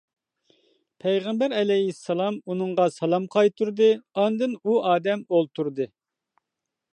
پەيغەمبەر ئەلەيھىسسالام ئۇنىڭغا سالام قايتۇردى، ئاندىن ئۇ ئادەم ئولتۇردى.